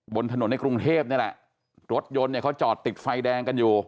บนถนนในกรุงเทพนี่แหละรถยนต์เนี่ยเขาจอดติดไฟแดงกันอยู่